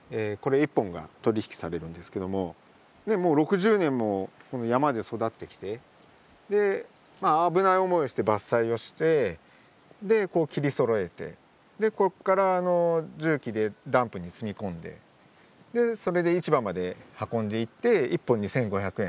もう６０年も山で育ってきてで危ない思いをして伐採をしてで切りそろえてここから重機でダンプに積み込んでそれで市場まで運んでいって１本２，５００円。